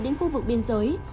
đến khu vực biên giới